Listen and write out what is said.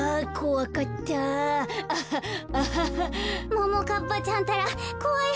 ももかっぱちゃんったらこわい